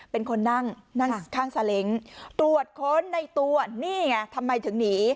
เป็นคนนั่งนั่งข้างซาเล้งตรวจค้นในตัวนี่ไงทำไมถึงหนี